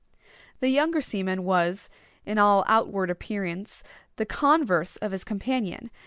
The younger seaman was, in all outward appearance, the converse of his companion.